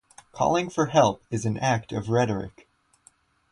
Calling for help is an act of rhetoric.